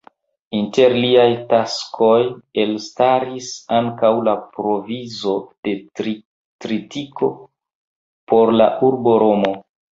Inter liaj taskoj elstaris ankaŭ la provizo de tritiko por la urbo Romo.